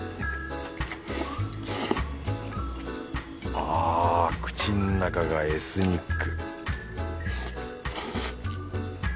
あ口の中がエスニック